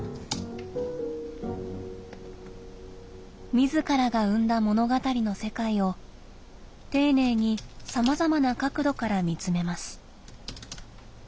自らが生んだ物語の世界を丁寧にさまざまな角度から見つめます。